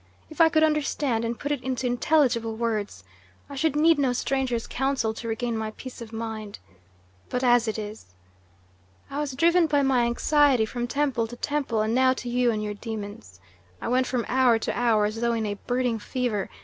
If I could understand and put it into intelligible words, I should need no stranger's counsel to regain my peace of mind. But as it is! I was driven by my anxiety from temple to temple, and now to you and your demons. I went from hour to hour as though in a burning fever.